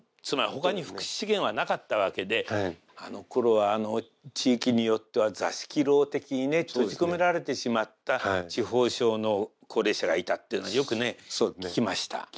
つまりほかに福祉資源はなかったわけであのころは地域によっては座敷ろう的にね閉じ込められてしまった痴呆症の高齢者がいたっていうのはよくね聞きました。